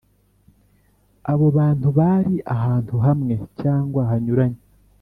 Abo bantu bari ahantu hamwe cyangwa hanyuranye